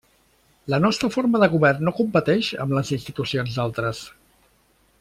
La nostra forma de govern no competeix amb les institucions d'altres.